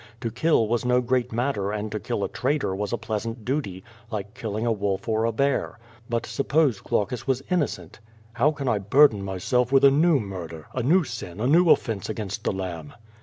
To kill was no great matter and to kill a traitor was a pleasant duty, like killing a wolf or a bear. But suppose Glaucus was innocent? "How can I burden myself with a new murder, a new sin, a new offence against the Lamb?